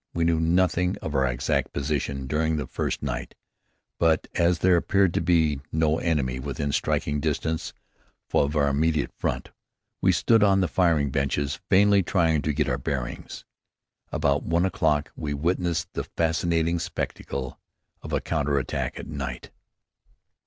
We knew nothing of our exact position during the first night, but as there appeared to be no enemy within striking distance of our immediate front, we stood on the firing benches vainly trying to get our bearings. About one o'clock, we witnessed the fascinating spectacle of a counter attack at night.